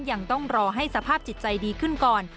ยังต้องรอให้สภาพจิตใจดีขึ้นก่อน